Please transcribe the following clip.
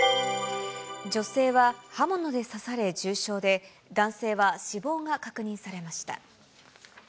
女性は刃物で刺され重傷で、男性は死亡が確認されました。